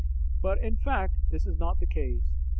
But in fact this is not the case.